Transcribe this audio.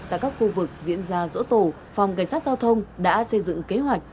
tại các khu vực diễn ra dỗ tổ phòng cảnh sát giao thông đã xây dựng kế hoạch